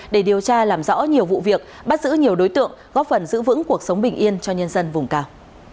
để điều tra làm rõ nhiều vụ việc bắt giữ nhiều đối tượng góp phần giữ vững cuộc sống bình yên cho nhân dân vùng cao